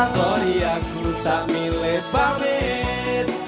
sori yang kita milih pamit